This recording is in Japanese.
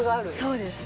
そうです。